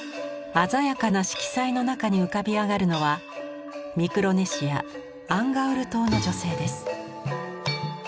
鮮やかな色彩の中に浮かび上がるのはミクロネシアアンガウル島の女性です。